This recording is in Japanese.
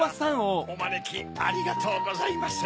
おまねきありがとうございます。